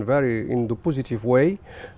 giao thông của việt nam